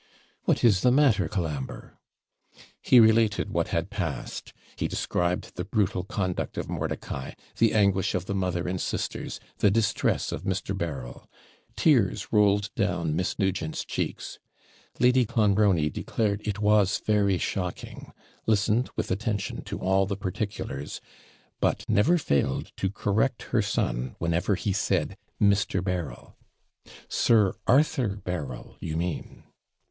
'What is the matter; Colambre?' He related what had passed; he described the brutal conduct of Mordicai; the anguish of the mother and sisters; the distress of Mr. Berryl. Tears rolled down Miss Nugent's cheeks. Lady Clonbrony declared it was very shocking; listened with attention to all the particulars; but never failed to correct her son, whenever he said Mr. Berryl. 'Sir ARTHUR Berryl, you mean.'